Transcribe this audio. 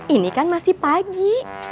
ini kan masih pagi